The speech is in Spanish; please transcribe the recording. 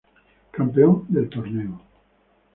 Campeón del torneo.